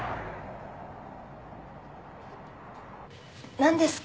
何ですか？